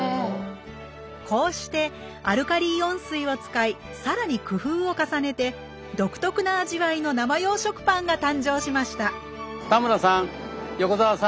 こうしてアルカリイオン水を使いさらに工夫を重ねて独特な味わいの生用食パンが誕生しました田村さん横澤さん